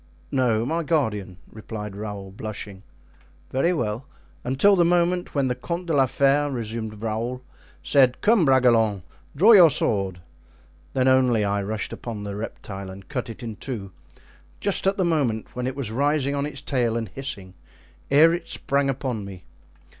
"No, my guardian," replied Raoul, blushing. "Very well——" "Until the moment when the Comte de la Fere," resumed Raoul, "said, 'Come, Bragelonne, draw your sword;' then only I rushed upon the reptile and cut it in two, just at the moment when it was rising on its tail and hissing, ere it sprang upon me.